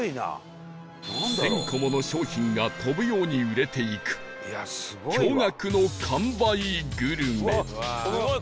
１０００個もの商品が飛ぶように売れていく驚愕の完売グルメ